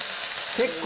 結構！